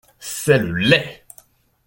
C’est le lait !…